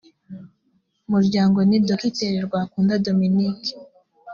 muryango ni dogiteri rwakunda dominique